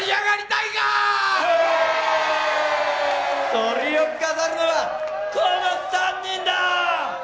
トリを飾るのはこの３人だ！